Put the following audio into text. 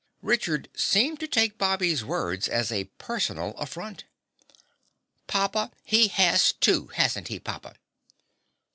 Richard seemed to take Bobby's words as a personal affront. "Papa, he has too, hasn't he, papa?"